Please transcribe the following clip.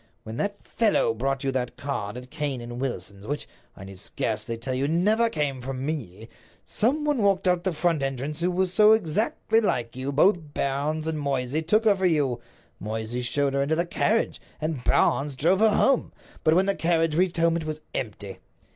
When that fellow brought you that card at Cane and Wilson's—which, I need scarcely tell you, never came from me—some one walked out of the front entrance who was so exactly like you that both Barnes and Moysey took her for you. Moysey showed her into the carriage, and Barnes drove her home. But when the carriage reached home it was empty.